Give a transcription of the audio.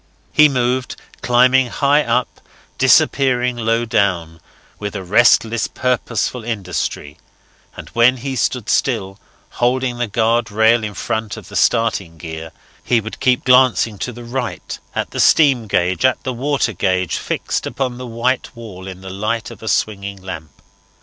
He moved, climbing high up, disappearing low down, with a restless, purposeful industry, and when he stood still, holding the guard rail in front of the starting gear, he would keep glancing to the right at the steam gauge, at the water gauge, fixed upon the white wall in the light of a swaying lamp.